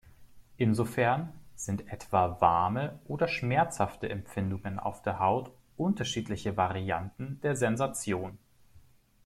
Insofern sind etwa warme oder schmerzhafte Empfindungen auf der Haut unterschiedliche Varianten der Sensation.